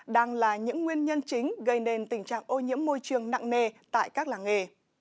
đang là những nguyên nhân chính gây nên tình trạng ô nhiễm môi trường nặng nề tại các làng nghề